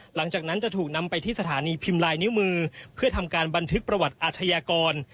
หลังจากนั้นจะถูกนำไปที่สถานีพิมพ์ลายนิ้วมือเพื่อทำการบันทึกประวัติอาชญากร